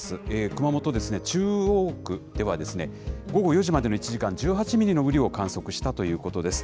熊本ですね、中央区では午後４時までの１時間に１８ミリの雨量を観測したということです。